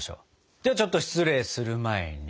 ではちょっと失礼する前に。